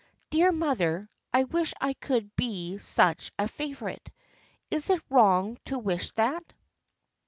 Dear mother, I wish I could be such a favorite. Is it wrong to wish that